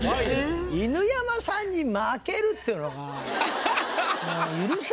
犬山さんに負けるっていうのが。